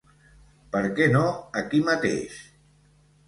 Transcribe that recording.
Per què no aquí mateix?